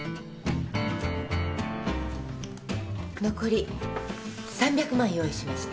残り３００万用意しました。